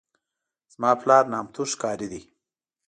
زما پلار نامتو ښکاري دی.